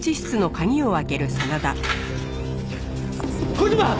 小島！